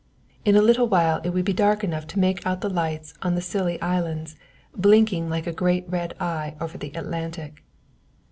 In a little while it would be dark enough to make out the light on the Scilly Islands, blinking like a great red eye over the Atlantic.